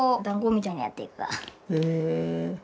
へえ。